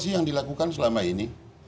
itu yang dilakukan selama ini